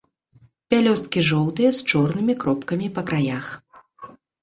Пялёсткі жоўтыя з чорнымі кропкамі па краях.